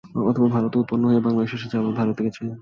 অথবা ভারতে উৎপন্ন হয়ে বাংলাদেশে এসেছে আবার ভারতে গেছে।